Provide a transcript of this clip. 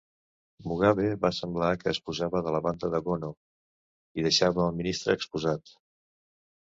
Mugabe va semblar que es posava de la banda de Gono i deixava el ministre exposat.